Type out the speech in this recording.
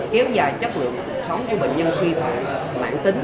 kéo dài chất lượng sống cho bệnh nhân suy thoảng mạng tính